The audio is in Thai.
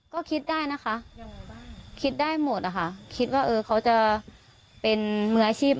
ก็คิดได้นะคะคิดได้หมดนะคะคิดว่าเออเขาจะเป็นมืออาชีพ